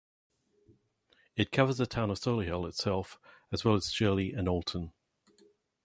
It covers the town of Solihull itself, as well as Shirley and Olton.